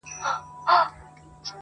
د وخت ابلیسه پوره نیمه پېړۍ,